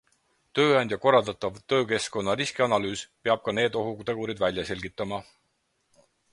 Tööandja korraldatav töökeskkonna riskianalüüs peab ka need ohutegurid välja selgitama.